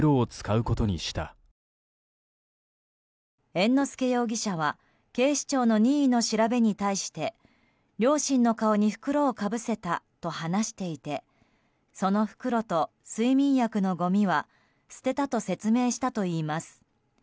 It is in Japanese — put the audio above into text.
猿之助容疑者は警視庁の任意の調べに対して両親の顔に袋をかぶせたと話していてその袋と睡眠薬のごみは捨てたと説明したといいます。